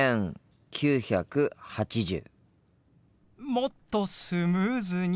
もっとスムーズに。